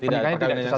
tidak ada yang sah